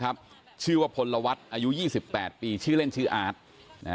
ก็ได้รู้สึกว่ามันกลายเป้าหมายและมันกลายเป้าหมาย